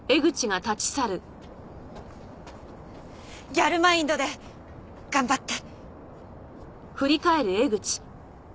ギャルマインドで頑張って。